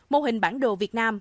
mô hình bản đồ việt nam